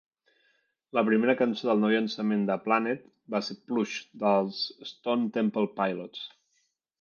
La primera cançó del nou llançament de "Planet" va ser "Plush" dels Stone Temple Pilots.